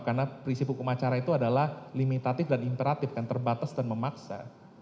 karena prinsip hukum acara itu adalah limitatif dan imperatif terbatas dan memaksa